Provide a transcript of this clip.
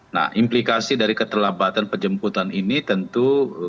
nah implikasi dari keterlambatan penjemputan ini tentu